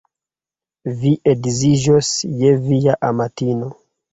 Vi edziĝos je via amatino.